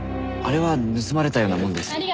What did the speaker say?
あれは盗まれたようなもんです。